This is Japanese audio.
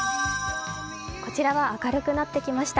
こちらは明るくなってきました。